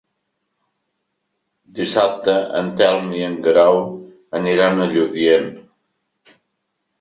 Dissabte en Telm i en Guerau aniran a Lludient.